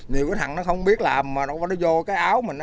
nhiều cái thằng nó không biết làm mà nó vô cái áo mình